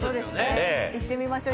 いってみましょう。